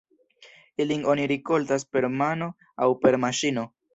Ilin oni rikoltas per mano aŭ per maŝino.